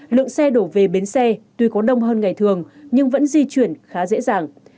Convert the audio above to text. lượng xe đổ về bến xe tuy có đông hơn ngày thường nhưng vẫn di chuyển khá dễ dàng